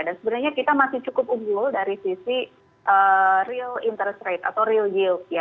dan sebenarnya kita masih cukup unggul dari sisi real interest rate atau real yield